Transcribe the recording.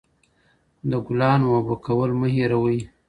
د ګلانو اوبه کول مه هېروئ.